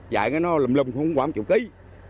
dạy cái nó lùm lùm không có một triệu ký